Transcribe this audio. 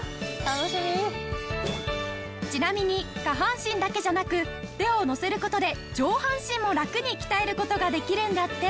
ちなみに下半身だけじゃなく手をのせる事で上半身もラクに鍛える事ができるんだって。